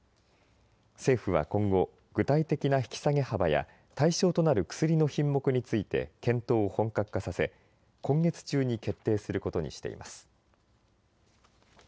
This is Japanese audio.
政府は今後、具体的な引き下げ幅や対象となる薬の品目について検討を本格化させ今月中に決定することにしています。